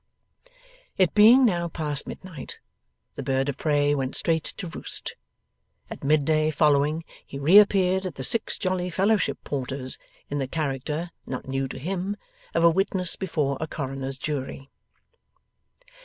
It being now past midnight, the bird of prey went straight to roost. At mid day following he reappeared at the Six Jolly Fellowship Porters, in the character, not new to him, of a witness before a Coroner's Jury.